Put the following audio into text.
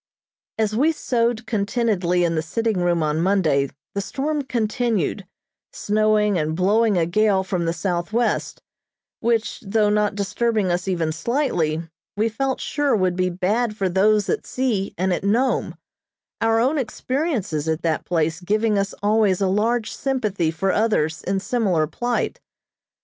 As we sewed contentedly in the sitting room on Monday the storm continued, snowing and blowing a gale from the southwest, which, though not disturbing us even slightly, we felt sure would be bad for those at sea and at Nome; our own experiences at that place giving us always a large sympathy for others in similar plight.